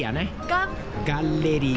ガッレリア。